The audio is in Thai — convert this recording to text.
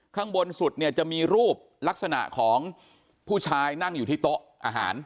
ข้างบนสุดเนี่ยจะมีรูปลักษณะของผู้ชายนั่งอยู่ที่โต๊ะอาหาร